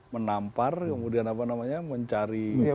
menampar kemudian apa namanya mencari